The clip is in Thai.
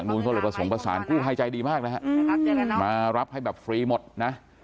ดูภายใจดีมากนะฮะมารับให้แบบฟรีหมดนะ